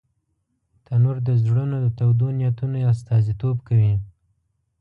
تنور د زړونو د تودو نیتونو استازیتوب کوي